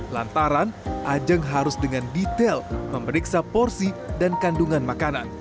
lantaran ajang harus dengan detail memeriksa porsi dan kandungan makanan